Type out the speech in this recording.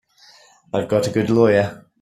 I've got a good lawyer.